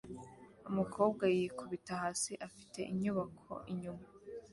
Umukobwa yikubita hasi afite inyubako inyuma